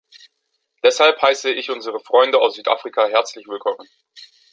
Deshalb heiße ich unsere Freunde aus Südafrika herzlich willkommen.